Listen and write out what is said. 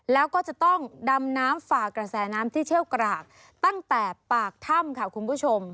แล้วก็จะต้องดำน้ำฝ่ากระแสน้ำที่เชี่ยวกรากตั้งแต่ปากถ้ำค่ะคุณผู้ชม